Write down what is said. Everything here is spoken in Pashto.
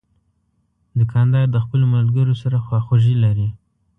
دوکاندار د خپلو ملګرو سره خواخوږي لري.